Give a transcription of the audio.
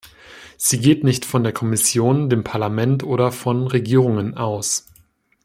Sie geht nicht von der Kommission, dem Parlament oder von Regierungen aus.